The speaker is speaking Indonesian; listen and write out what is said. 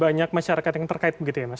banyak masyarakat yang terkait begitu ya mas